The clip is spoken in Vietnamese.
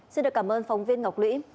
xin được cảm ơn phóng viên ngọc lũy